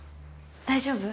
大丈夫？